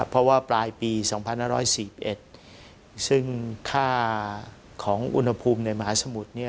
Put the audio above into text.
เพราะว่าปลายปี๒๕๔๑ซึ่งค่าของอุณหภูมิในมหาสมุทร